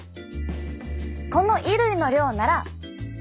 この衣類の量ならザバッ。